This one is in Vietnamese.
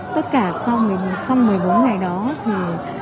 tất cả trong một mươi bốn ngày đó thì